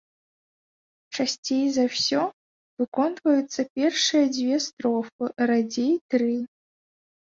Часцей за ўсё выконваюцца першыя дзве строфы, радзей тры.